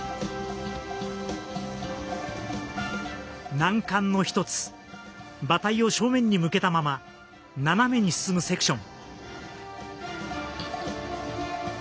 難関の一つ馬体を正面に向けたまま斜めに進むセクション。